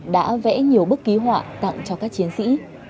đã vẽ nhiều bức ký họa tặng cho các chiến sĩ